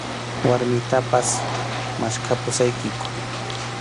Warmitapas maskhapusaykiku.